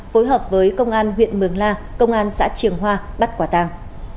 phối hợp với công an huyện mường la công an xã triềng hoa bắt quả tang